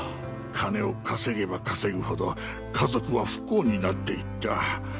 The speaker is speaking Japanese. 金を稼げば稼ぐほど家族は不幸になっていった。